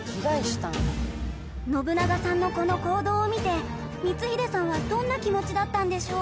信長さんのこの行動を見て光秀さんはどんな気持ちだったんでしょう？